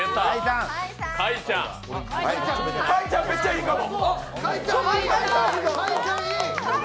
開ちゃん、めっちゃいいかも！